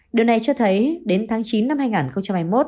điều này cho thấy đến tháng chín năm hai nghìn hai mươi một